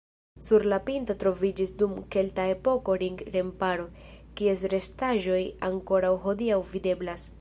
Sur la pinto troviĝis dum kelta epoko ring-remparo, kies restaĵoj ankoraŭ hodiaŭ videblas.